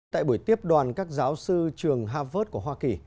tại buổi tiếp đoàn các giáo sư trường harvard của hoa kỳ